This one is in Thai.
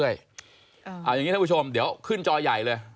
เอาอย่างนี้ท่านผู้ชมเดี๋ยวขึ้นจอใหญ่เลย